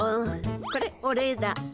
これお礼だ。